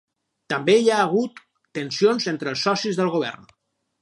També hi ha hagut tensions entre els socis del govern.